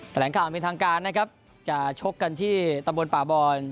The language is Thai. แหลงข่าวเป็นทางการนะครับจะชกกันที่ตำบลป่าบอน